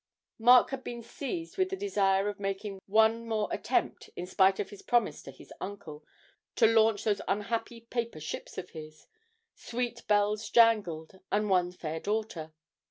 Mark had been seized with the desire of making one more attempt, in spite of his promise to his uncle, to launch those unhappy paper ships of his 'Sweet Bells Jangled' and 'One Fair Daughter.'